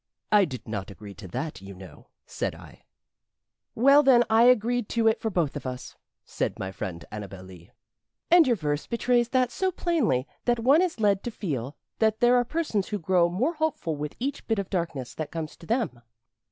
"I did not agree to that, you know," said I. "Well, then, I agreed to it for both of us," said my friend Annabel Lee. "And your verse betrays that so plainly that one is led to feel that there are persons who grow more hopeful with each bit of darkness that comes to them.